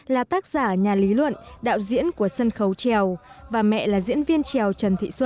là tác giả nhà lý luận đạo diễn của sân khấu trèo và mẹ là diễn viên trèo trần thị xuân